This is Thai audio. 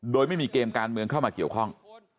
โดยไม่มีเกมการเมืองเข้ามาเกี่ยวข้อง